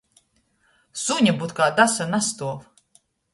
Suņa budkā dasa nastuov!